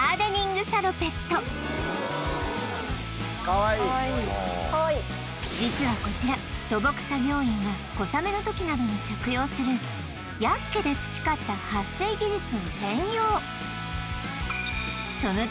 これまた実はこちら土木作業員が小雨の時などに着用するヤッケで培った撥水技術を転用